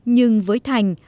nhưng với thành